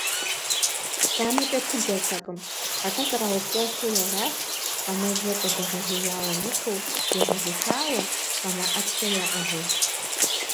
КъамэкӀэ пыджэртэкъым, атӀэ къраупщӀэхыу арат, къамэдзэр къыдэгъэзеяуэ мыхъуу, егъэзыхауэ, къамэ Ӏэпщэр яӀыгъыу.